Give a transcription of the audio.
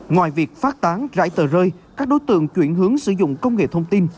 ngoài việc phát tán rải tờ rơi các đối tượng chuyển hướng sử dụng công nghệ thông tin